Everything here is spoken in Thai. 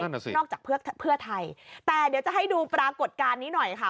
น่ะสินอกจากเพื่อไทยแต่เดี๋ยวจะให้ดูปรากฏการณ์นี้หน่อยค่ะ